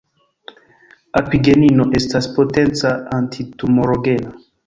Apigenino estas potenca antitumorogena.